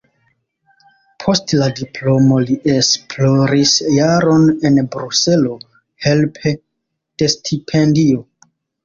Post la diplomo li esploris jaron en Bruselo helpe de stipendio.